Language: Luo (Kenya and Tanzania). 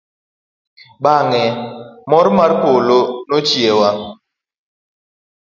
Bang'e, mor mar polo nochiewa.